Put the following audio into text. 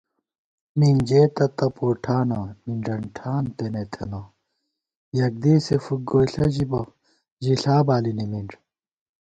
مِنجېتہ تپوٹھانہ، مِنݮن ٹھان تېنےتھنہ * یک دېسے فُک گوئیݪہ ژِبہ، ژِݪا بالی نِمِنݮ